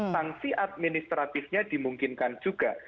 sangsi administratifnya dimungkinkan juga